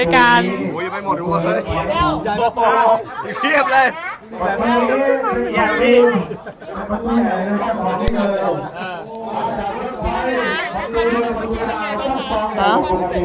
สวัสดีค่ะด้วยกัน